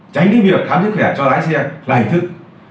tránh đến việc khám sức khỏe cho lái xe là hình thức